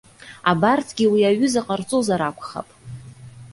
Абарҭгьы уи аҩыза ҟарҵозар акәхап.